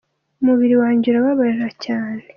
Umubiri wanjye urababaje cyane.